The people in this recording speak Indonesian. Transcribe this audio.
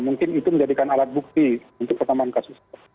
mungkin itu menjadikan alat bukti untuk perkembangan kasus